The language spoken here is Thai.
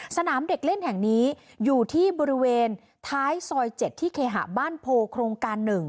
สนามเด็กเล่นแห่งนี้อยู่ที่บริเวณท้ายซอย๗ที่เคหะบ้านโพโครงการ๑